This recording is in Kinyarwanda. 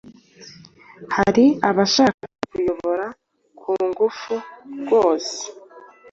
Hari abashaka kuyobora kungufu rwose